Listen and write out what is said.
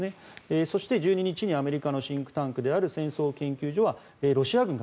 そして、１２日にアメリカのシンクタンクである戦争研究所はロシア軍が